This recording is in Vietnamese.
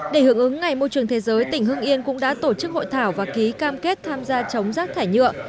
để hưởng ứng ngày môi trường thế giới tỉnh hưng yên cũng đã tổ chức hội thảo và ký cam kết tham gia chống rác thải nhựa